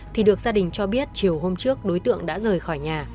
thì được gia đình cho biết chiều hôm trước đối tượng đã rời khỏi nhà